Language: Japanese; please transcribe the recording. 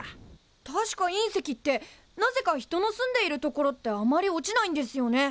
確か隕石ってなぜか人の住んでいるところってあまり落ちないんですよね。